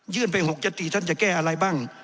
ยื่นไปหกยะตีท่านจะแก้อะไรบ้าง